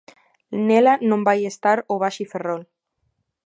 Nela non vai estar o Baxi Ferrol.